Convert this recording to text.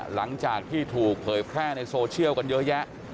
หลังจากที่ถูกเผยแพร่ในโซเชียลกันเยอะแยะ